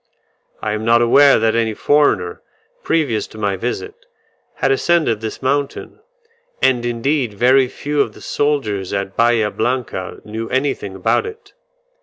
I am not aware that any foreigner, previous to my visit, had ascended this mountain; and indeed very few of the soldiers at Bahia Blanca knew anything about it.